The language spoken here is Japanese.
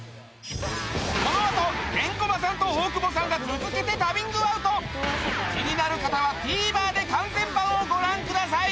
このあとケンコバさんと大久保さんが続けて旅ングアウト気になる方はＴＶｅｒで完全版をご覧ください